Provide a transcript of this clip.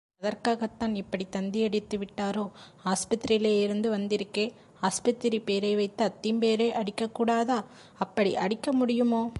அதற்காகத்தான் இப்படித் தந்தி அடித்துவிட்டாரோ? ஆஸ்பத்திரியிலேயிருந்து வந்திருக்கே? ஆஸ்பத்திரிப் பேரை வைத்து அத்திம்பேரே அடிக்கக்கூடாதா? அப்படி அடிக்க முடியுமோ?